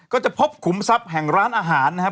ก็จะพบขุมทรัพย์แห่งร้านอาหารนะครับ